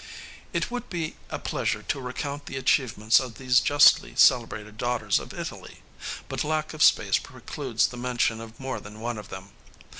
It would be a pleasure to recount the achievements of these justly celebrated daughters of Italy; but lack of space precludes the mention of more than one of them.